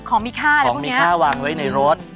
ของมีค่าแล้วพวกเนี้ยของมีค่าวางไว้ในรถ